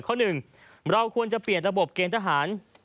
หนึ่งเราควรจะเปลี่ยนระบบเกณฑ์ทหาร